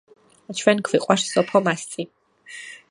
ჩვენ გვიყვარს სოფო მასწი